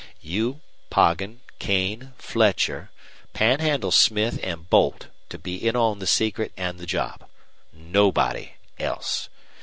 You, Poggin, Kane, Fletcher, Panhandle Smith, and Boldt to be in on the secret and the job. Nobody else.